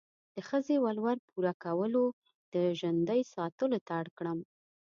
د ښځې ولور پوره کولو، د ژندې ساتلو ته اړ کړم.